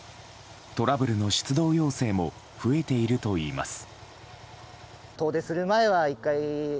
トラブルの出動要請も増えているといいます。